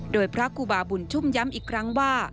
โดยพระครูบาบุญชุ่มย้ำอีกครั้งว่า